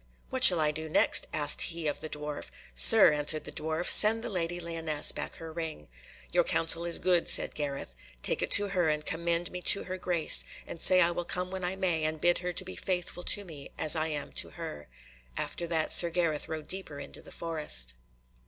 "What shall I do next?" asked he of the dwarf. "Sir," answered the dwarf, "send the Lady Lyonesse back her ring." "Your counsel is good," said Gareth; "take it to her, and commend me to her grace, and say I will come when I may, and bid her to be faithful to me, as I am to her." After that Sir Gareth rode deeper into the forest.